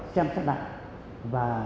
xem xác lại và